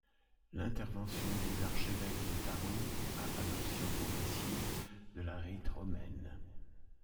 L'intervention des archevêques de Tarente a adoption progressive de la rite romaine.